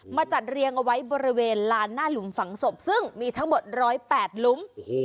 จัดเรียงเอาไว้บริเวณลานหน้าหลุมฝังศพซึ่งมีทั้งหมด๑๐๘หลุม